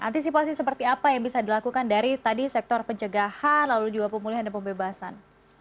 antisipasi seperti apa yang bisa dilakukan dari tadi sektor pencegahan lalu juga pemulihan dan pembebasan